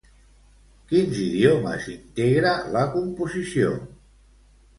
Quins idiomes integra la composició?